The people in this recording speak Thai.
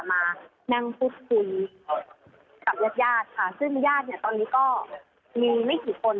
แล้วก็จากการสบายพร้อมเนี่ยฉันบอกว่าตอนเนี่ย